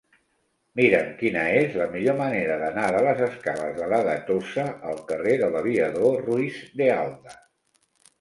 Mira'm quina és la millor manera d'anar de les escales de la Gatosa al carrer de l'Aviador Ruiz de Alda.